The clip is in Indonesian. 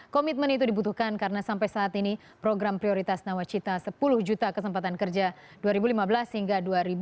komitmen itu dibutuhkan karena sampai saat ini program prioritas nawacita sepuluh juta kesempatan kerja dua ribu lima belas hingga dua ribu dua puluh